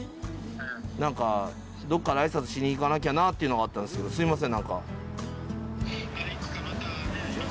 何かどっかで挨拶しに行かなきゃなっていうのがあったんですけどすいません。